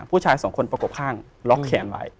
ผู้ชายสองคนประกบข้างล็อกแขนไว้